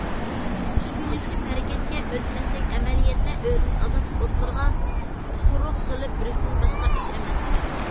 چۈشكۈنلىشىپ ھەرىكەتكە ئۆتمەسلىك ئەمەلىيەتتە ئۆزىنى ئازاب ئوتلىرىغا تۇتۇرۇق قىلىپ بېرىشتىن باشقا ئىش ئەمەس.